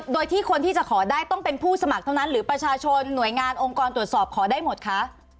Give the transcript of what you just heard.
โดยที่คนที่จะขอได้ต้องเป็นผู้สมัครเท่านั้นหรือประชาชนหน่วยงานองค์กรตรวจสอบขอได้หมดคะ